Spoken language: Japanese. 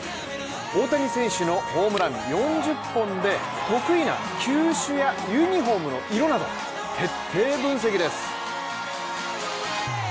大谷選手のホームラン４０本で得意な球種やユニフォームの色など徹底分析です。